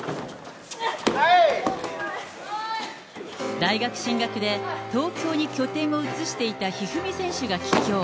大学進学で東京に拠点を移していた一二三選手が帰京。